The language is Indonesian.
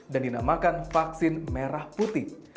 dan dinamakan vaksin merah putih